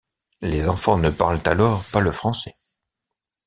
Les enfants ne parlent alors pas le français.